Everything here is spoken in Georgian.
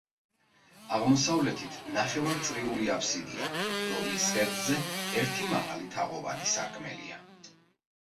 აღმოსავლეთით ნახევარწრიული აფსიდია, რომლის ღერძზე ერთი მაღალი თაღოვანი სარკმელია.